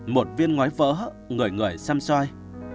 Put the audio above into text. một viên ngói vỡ người người xăm xoay